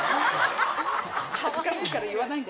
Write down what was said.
恥ずかしいから言わないで。